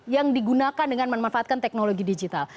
yang digunakan dengan memanfaatkan teknologi digital